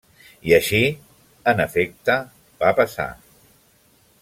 I així, en efecte, va passar.